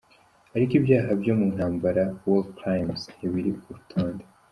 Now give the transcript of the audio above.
Ariko ibyaha byo mu ntambara “war crimes”, ntibiri ku rutonde.